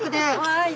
はい。